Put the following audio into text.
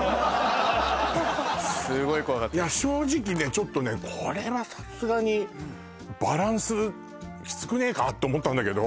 ちょっとねこれはさすがにバランスきつくねえか？って思ったんだけど